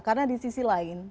karena di sisi lain